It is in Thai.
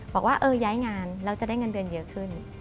บอกว่าย้ายงานแล้วจะได้เงินเดือนเยอะขึ้น